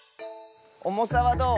おもさはどう？